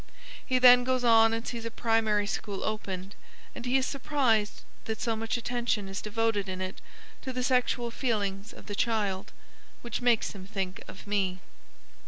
He then goes on and sees a primary school opened ... and he is surprised that so much attention is devoted in it to the sexual feelings of the child, which makes him think of me."